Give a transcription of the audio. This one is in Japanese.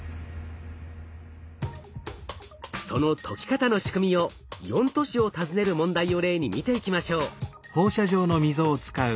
その解き方の仕組みを４都市を訪ねる問題を例に見ていきましょう。